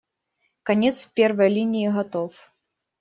Конец первой линии готов.